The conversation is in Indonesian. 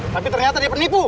tapi ternyata dia penipu